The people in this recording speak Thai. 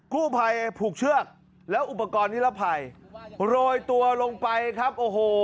กู้ภัยผูกเชือกแล้วอุปกรณ์นิรภัยโรยตัวลงไปครับโอ้โห